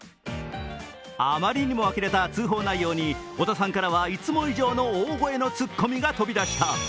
あまりにもあきれた通報内容に小田さんからはいつも以上の大声のツッコミが飛び出した。